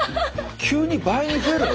急に倍に増えるの？